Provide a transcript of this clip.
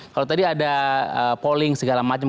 kalau tadi ada polling segala macam